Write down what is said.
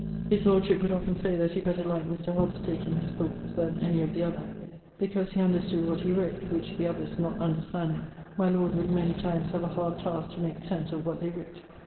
His lordship would often say that he better liked Mr. Hobbes's taking his thoughts, then any of the other, because he understood what he wrote, which the others not understanding, my Lord would many times have a hard taske to make sense of what they writt.